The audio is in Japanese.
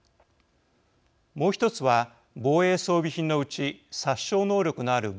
もう一つは防衛装備品のうち殺傷能力のある武器の扱いです。